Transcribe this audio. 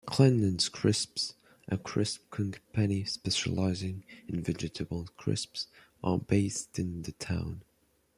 Glennans Crisps a crisp company specialising in vegetable crisps are based in the town.